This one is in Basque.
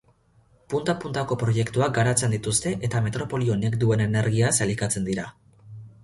Punta-puntako proiektuak garatzen dituzte eta metropoli honek duen energiaz elikatzen dira.